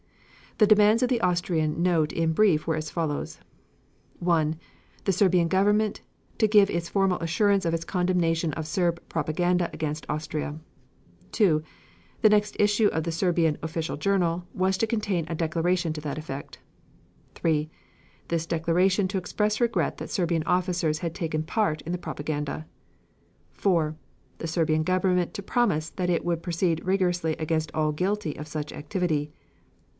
The demands of the Austrian note in brief were as follows: 1. The Serbian Government to give formal assurance of its condemnation of Serb propaganda against Austria. 2. The next issue of the Serbian "Official Journal" was to contain a declaration to that effect. 3. This declaration to express regret that Serbian officers had taken part in the propaganda. 4. The Serbian Government to promise that it would proceed rigorously against all guilty of such activity.